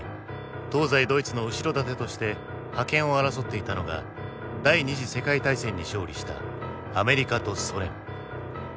東西ドイツの後ろ盾として覇権を争っていたのが第２次世界大戦に勝利したアメリカとソ連。